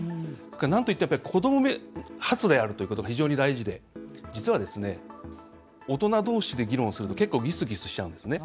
なんといっても子ども発であるということが非常に大事で大人どうしで議論すると結構、ぎすぎすしちゃうんですね。